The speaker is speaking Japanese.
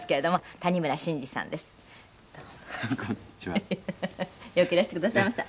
黒柳：よくいらしてくださいました。